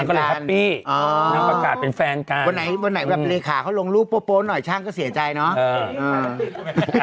น้องประกาศเป็นแฟนกันวันไหนเลขาเขาลงรูปโป๊ะหน่อยช่างก็เสียใจเนาะ